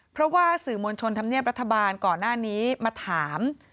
เพราะว่าสื่อมวลชนธรรมเนียบรัฐบาลก่อนหน้านี้มาถาม